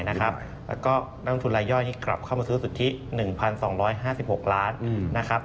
และก็นักทุนลายย่อยกลับเข้ามาซื้อสุทธิะ๑๒๕๖ล้าส